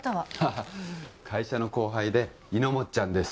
ハハ会社の後輩でいのもっちゃんです